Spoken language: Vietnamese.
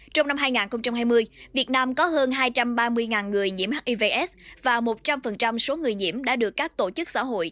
trong năm hai nghìn hai mươi việt nam có hơn hai trăm ba mươi người nhiễm hiv aids và một trăm linh số người nhiễm đã được các tổ chức xã hội